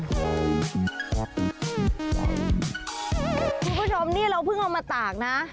คุณผู้ชมนี่เราเพิ่งเอามาตากนะ